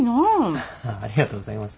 アハハありがとうございます。